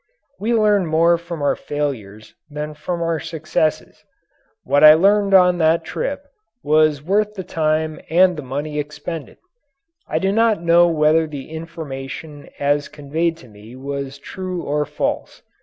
We learn more from our failures than from our successes. What I learned on that trip was worth the time and the money expended. I do not now know whether the information as conveyed to me was true or false.